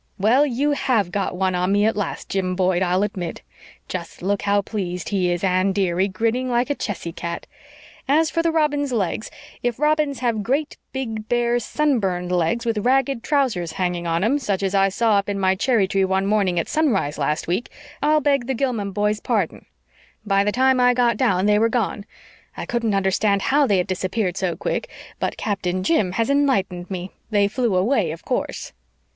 "Well, you HAVE got one on me at last, Jim Boyd, I'll admit. Just look how pleased he is, Anne, dearie, grinning like a Chessy cat. As for the robins' legs if robins have great, big, bare, sunburned legs, with ragged trousers hanging on 'em, such as I saw up in my cherry tree one morning at sunrise last week, I'll beg the Gilman boys' pardon. By the time I got down they were gone. I couldn't understand how they had disappeared so quick, but Captain Jim has enlightened me. They flew away, of course."